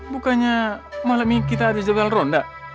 bukannya malam ini kita ada jadwal ronda